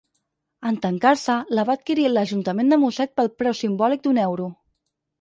En tancar-se, la va adquirir l'ajuntament de Mosset pel preu simbòlic d'un euro.